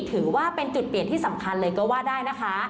ถือว่าเป็นจุดเปลี่ยนที่สำคัญเลยก็ว่าได้นะคะ